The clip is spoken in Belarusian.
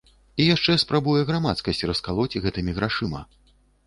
І яшчэ спрабуе грамадскасць раскалоць гэтымі грашыма.